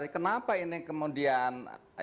kenapa ini kemudian